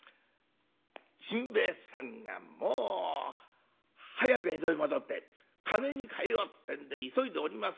甚兵衛さんがもう早く江戸へ戻って金に換えようってんで急いでおります